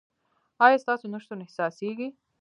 ایا ستاسو نشتون احساسیږي؟